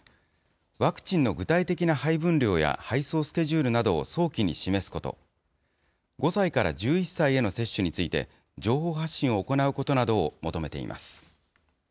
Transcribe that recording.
ワクチンの具体的な配分量や配送スケジュールなどを早期に示すこと、５歳から１１歳への接種について、情報発信を行うことなどを求めています。